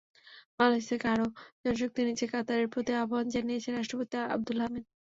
বাংলাদেশ থেকে আরও জনশক্তি নিতে কাতারের প্রতি আহ্বান জানিয়েছেন রাষ্ট্রপতি আবদুল হামিদ।